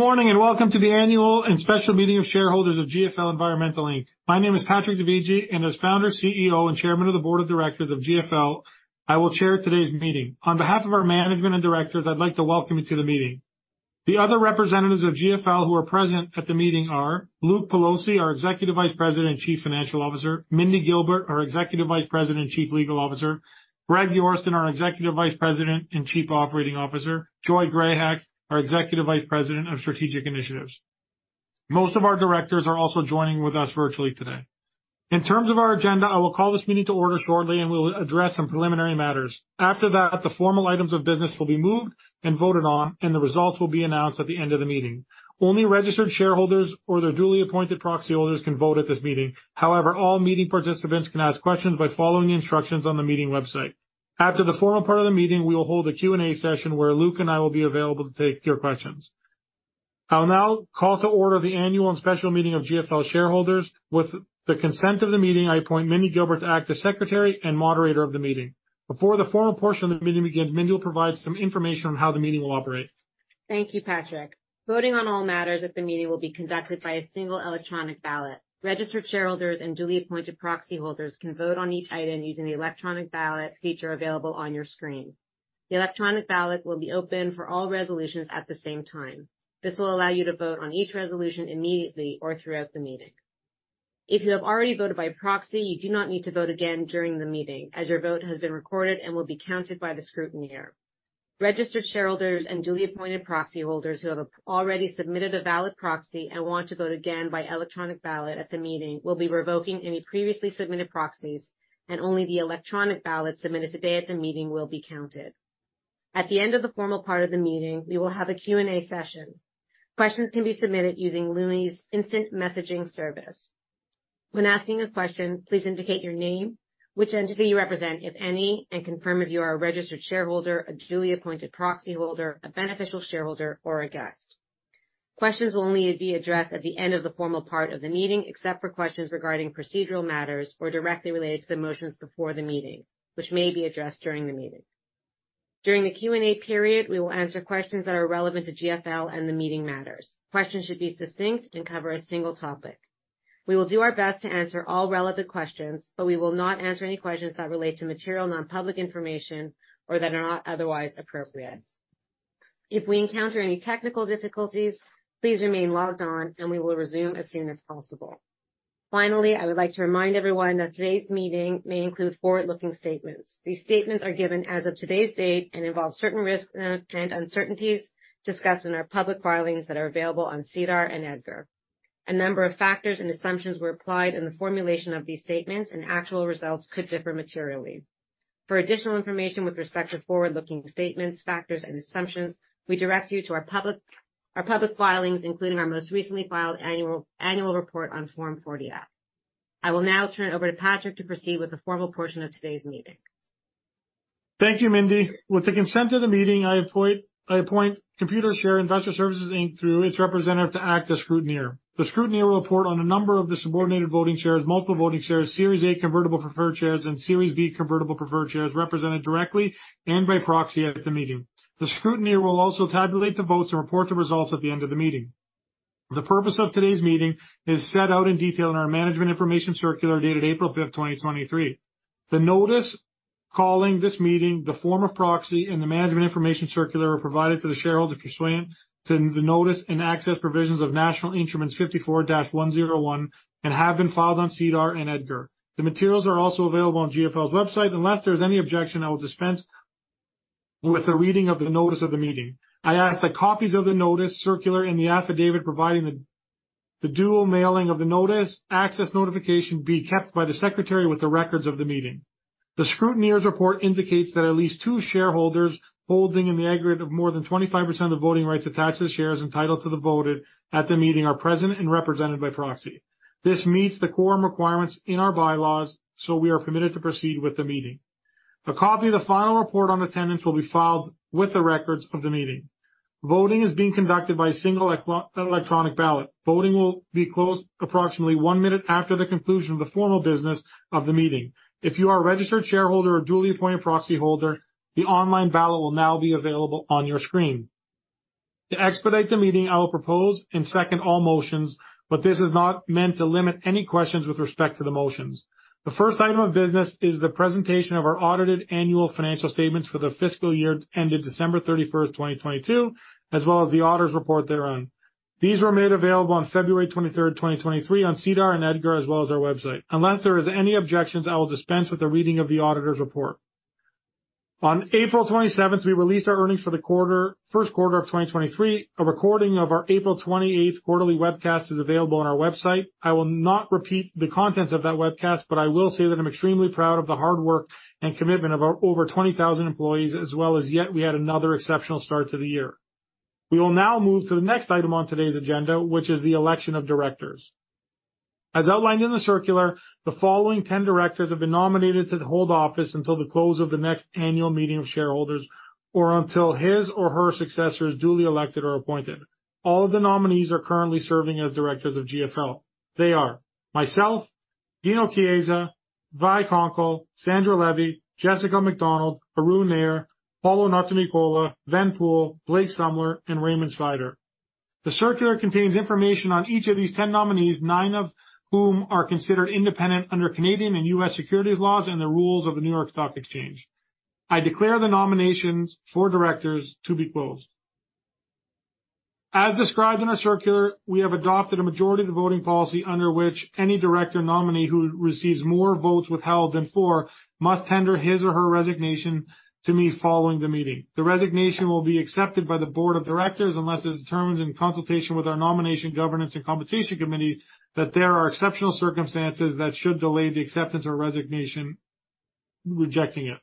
Good morning, and welcome to the Annual and Special Meeting of Shareholders of GFL Environmental Inc. My name is Patrick Dovigi, and as Founder, CEO, and Chairman of the Board of Directors of GFL, I will chair today's meeting. On behalf of our management and directors, I'd like to welcome you to the meeting. The other representatives of GFL who are present at the meeting are Luke Pelosi, our Executive Vice President and Chief Financial Officer. Mindy Gilbert, our Executive Vice President and Chief Legal Officer. Greg Yorston, our Executive Vice President and Chief Operating Officer. Joy Grahek, our Executive Vice President of Strategic Initiatives. Most of our directors are also joining with us virtually today. In terms of our agenda, I will call this meeting to order shortly, and we'll address some preliminary matters. The formal items of business will be moved and voted on, and the results will be announced at the end of the meeting. Only registered shareholders or their duly appointed proxy holders can vote at this meeting. All meeting participants can ask questions by following the instructions on the meeting website. After the formal part of the meeting, we will hold a Q&A session where Luke Pelosi and I will be available to take your questions. I'll now call to order the annual and special meeting of GFL shareholders. With the consent of the meeting, I appoint Mindy Gilbert to act as secretary and moderator of the meeting. Before the formal portion of the meeting begins, Mindy will provide some information on how the meeting will operate. Thank you, Patrick. Voting on all matters at the meeting will be conducted by a single electronic ballot. Registered shareholders and duly appointed proxy holders can vote on each item using the electronic ballot feature available on your screen. The electronic ballot will be open for all resolutions at the same time. This will allow you to vote on each resolution immediately or throughout the meeting. If you have already voted by proxy, you do not need to vote again during the meeting as your vote has been recorded and will be counted by the scrutineer. Registered shareholders and duly appointed proxy holders who have already submitted a valid proxy and want to vote again by electronic ballot at the meeting will be revoking any previously submitted proxies, and only the electronic ballot submitted today at the meeting will be counted. At the end of the formal part of the meeting, we will have a Q&A session. Questions can be submitted using Lumi's instant messaging service. When asking a question, please indicate your name, which entity you represent, if any, and confirm if you are a registered shareholder, a duly appointed proxy holder, a beneficial shareholder, or a guest. Questions will only be addressed at the end of the formal part of the meeting, except for questions regarding procedural matters or directly related to the motions before the meeting, which may be addressed during the meeting. During the Q&A period, we will answer questions that are relevant to GFL and the meeting matters. Questions should be succinct and cover a single topic. We will do our best to answer all relevant questions, but we will not answer any questions that relate to material non-public information or that are not otherwise appropriate. If we encounter any technical difficulties, please remain logged on, and we will resume as soon as possible. Finally, I would like to remind everyone that today's meeting may include forward-looking statements. These statements are given as of today's date and involve certain risks and uncertainties discussed in our public filings that are available on SEDAR and EDGAR. A number of factors and assumptions were applied in the formulation of these statements, and actual results could differ materially. For additional information with respect to forward-looking statements, factors, and assumptions, we direct you to our public filings, including our most recently filed annual report on Form 40-F. I will now turn it over to Patrick to proceed with the formal portion of today's meeting. Thank you, Mindy. With the consent of the meeting, I appoint Computershare Investor Services Inc., through its representative, to act as scrutineer. The scrutineer will report on a number of the subordinate voting shares, multiple voting shares, Series A convertible preferred shares, and Series B convertible preferred shares represented directly and by proxy at the meeting. The scrutineer will also tabulate the votes and report the results at the end of the meeting. The purpose of today's meeting is set out in detail in our Management Information Circular dated April 5th, 2023. The notice calling this meeting, the form of proxy, and the Management Information Circular are provided to the shareholder pursuant to the notice and access provisions of National Instrument 54-101 and have been filed on SEDAR and EDGAR. The materials are also available on GFL's website. Unless there is any objection, I will dispense with the reading of the notice of the meeting. I ask that copies of the notice, circular, and the affidavit providing the dual mailing of the notice, access notification be kept by the secretary with the records of the meeting. The scrutineer's report indicates that at least two shareholders, holding in the aggregate of more than 25% of the voting rights attached to the shares entitled to the voted at the meeting, are present and represented by proxy. This meets the quorum requirements in our bylaws. We are permitted to proceed with the meeting. A copy of the final report on attendance will be filed with the records of the meeting. Voting is being conducted by a single electronic ballot. Voting will be closed approximately 1 minute after the conclusion of the formal business of the meeting. If you are a registered shareholder or duly appointed proxy holder, the online ballot will now be available on your screen. To expedite the meeting, I will propose and second all motions, but this is not meant to limit any questions with respect to the motions. The first item of business is the presentation of our audited annual financial statements for the fiscal year ended December 31st, 2022, as well as the auditor's report thereon. These were made available on February 23rd, 2023 on SEDAR and EDGAR, as well as our website. Unless there is any objections, I will dispense with the reading of the auditor's report. On April 27th, we released our earnings for the first quarter of 2023. A recording of our April 28th quarterly webcast is available on our website. I will not repeat the contents of that webcast, I will say that I'm extremely proud of the hard work and commitment of our over 20,000 employees, as well as yet we had another exceptional start to the year. We will now move to the next item on today's agenda, which is the election of directors. As outlined in the circular, the following 10 directors have been nominated to hold office until the close of the next annual meeting of shareholders or until his or her successor is duly elected or appointed. All of the nominees are currently serving as Directors of GFL. They are myself. Dino Chiesa, Vi Konkle, Sandra Levy, Jessica McDonald, Arun Nayar, Paolo Notarnicola, Ven Poole, Blake Sumler, and Raymond Svider.The circular contains information on each of these 10 nominees, nine of whom are considered independent under Canadian and US securities laws and the rules of the New York Stock Exchange. I declare the nominations for directors to be closed. As described in our circular, we have adopted a majority of the voting policy under which any director nominee who receives more votes withheld than for must tender his or her resignation to me following the meeting. The resignation will be accepted by the board of directors unless it determines, in consultation with our nomination, governance, and compensation committee, that there are exceptional circumstances that should delay the acceptance or resignation, rejecting it.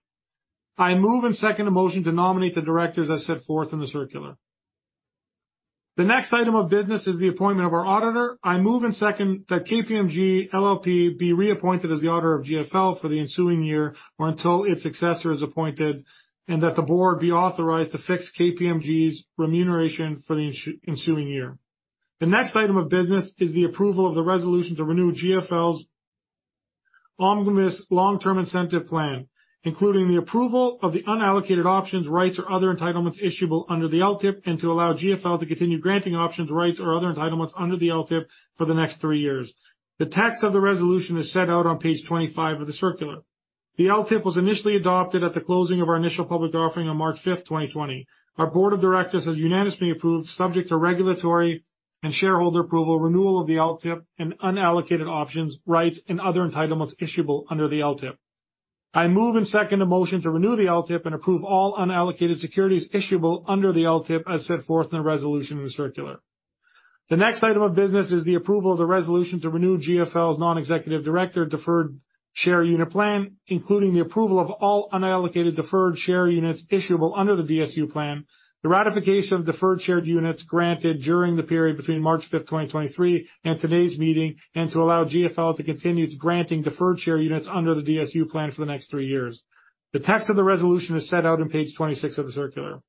I move and second a motion to nominate the directors as set forth in the circular. The next item of business is the appointment of our auditor.I move and second that KPMG LLP be reappointed as the auditor of GFL for the ensuing year or until its successor is appointed, and that the board be authorized to fix KPMG's remuneration for the ensuing year. The next item of business is the approval of the resolution to renew GFL's Omnibus Long-Term Incentive Plan, including the approval of the unallocated options, rights or other entitlements issuable under the LTIP, and to allow GFL to continue granting options, rights or other entitlements under the LTIP for the next three years. The text of the resolution is set out on page 25 of the circular. The LTIP was initially adopted at the closing of our initial public offering on March 5th, 2020. Our board of directors has unanimously approved, subject to regulatory and shareholder approval, renewal of the LTIP and unallocated options, rights and other entitlements issuable under the LTIP. I move and second a motion to renew the LTIP and approve all unallocated securities issuable under the LTIP as set forth in the resolution in the circular. The next item of business is the approval of the resolution to renew GFL's non-executive Director Deferred Share Unit Plan, including the approval of all unallocated deferred share units issuable under the DSU Plan, the ratification of deferred share units granted during the period between March 5th, 2023 and today's meeting, and to allow GFL to continue granting deferred share units under the DSU Plan for the next three years. The text of the resolution is set out in page 26 of the circular.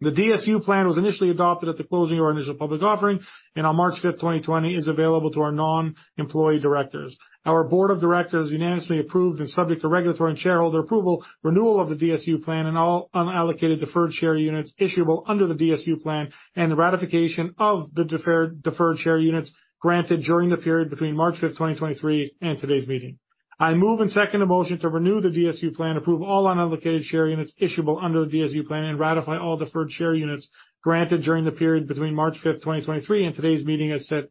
The DSU Plan was initially adopted at the closing of our initial public offering, and on March 5th, 2020, is available to our non-employee directors. Our Board of Directors unanimously approved, and subject to regulatory and shareholder approval, renewal of the DSU Plan and all unallocated deferred share units issuable under the DSU Plan and the ratification of the deferred share units granted during the period between March 5th, 2023 and today's meeting. I move and second a motion to renew the DSU Plan, approve all unallocated share units issuable under the DSU Plan and ratify all deferred share units granted during the period between March 5th, 2023 and today's meeting, as set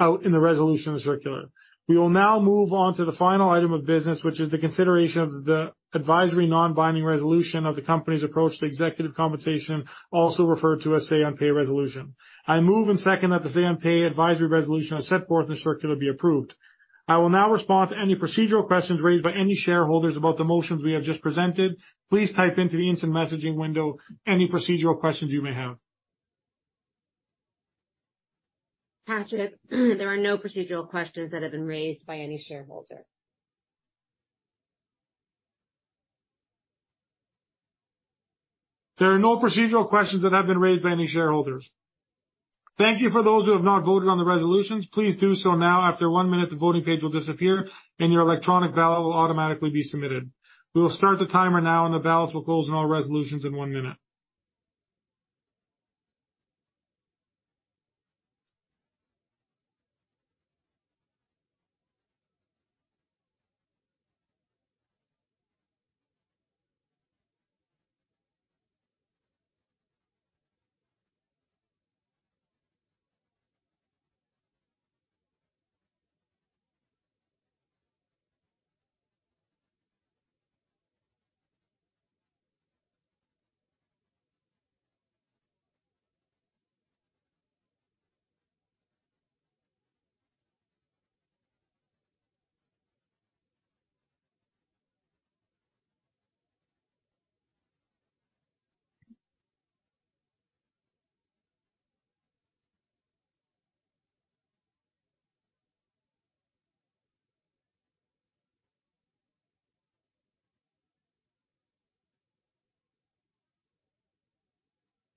out in the resolution of the circular. We will now move on to the final item of business, which is the consideration of the advisory non-binding resolution of the company's approach to executive compensation, also referred to as say on pay resolution. I move and second that the say on pay advisory resolution as set forth in the circular be approved. I will now respond to any procedural questions raised by any shareholders about the motions we have just presented. Please type into the instant messaging window any procedural questions you may have. Patrick, there are no procedural questions that have been raised by any shareholder. There are no procedural questions that have been raised by any shareholders. Thank you for those who have not voted on the resolutions, please do so now. After one minute, the voting page will disappear and your electronic ballot will automatically be submitted. We will start the timer now and the ballots will close on all resolutions in one minute.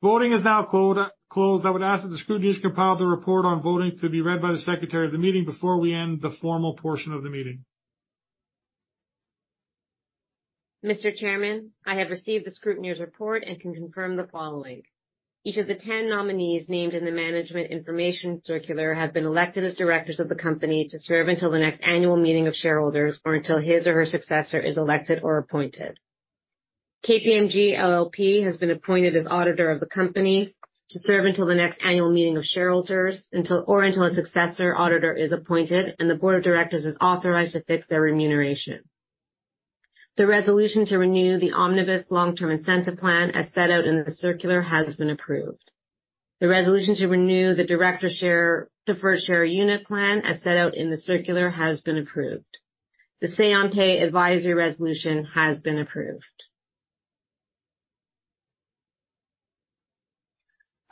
Voting is now closed. I would ask that the scrutineers compile the report on voting to be read by the secretary of the meeting before we end the formal portion of the meeting. Mr. Chairman, I have received the scrutineers report and can confirm the following. Each of the 10 nominees named in the Management Information Circular have been elected as directors of the company to serve until the next annual meeting of shareholders, or until his or her successor is elected or appointed. KPMG LLP has been appointed as auditor of the company to serve until the next annual meeting of shareholders until a successor auditor is appointed and the board of directors is authorized to fix their remuneration. The resolution to renew the Omnibus Long-Term Incentive Plan, as set out in the circular, has been approved. The resolution to renew the Director Deferred Share Unit Plan, as set out in the circular, has been approved. The say on pay advisory resolution has been approved.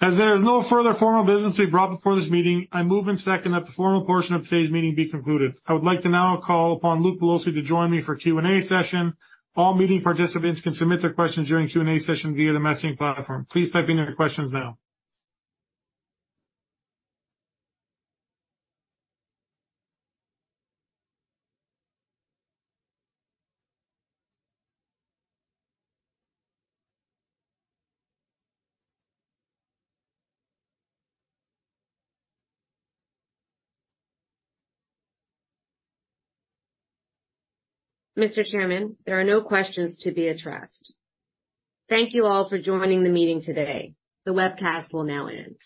As there is no further formal business to be brought before this meeting, I move and second that the formal portion of today's meeting be concluded. I would like to now call upon Luke Pelosi to join me for Q&A session. All meeting participants can submit their questions during Q&A session via the messaging platform. Please type in your questions now. Mr. Chairman, there are no questions to be addressed. Thank you all for joining the meeting today. The webcast will now end.